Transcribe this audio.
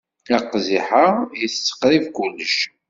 Aqziḥ-a itett qrib kullec.